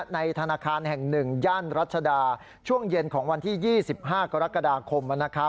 ในธนาคารแห่ง๑ย่านรัชดาช่วงเย็นของวันที่๒๕กรกฎาคม